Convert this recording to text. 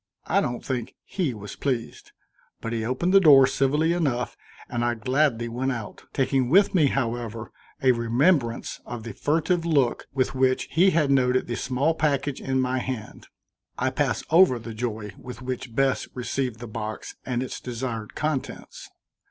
I don't think he was pleased, but he opened the door civilly enough and I gladly went out, taking with me, however, a remembrance of the furtive look with which he had noted the small package in my hand. I pass over the joy with which Bess received the box and its desired contents.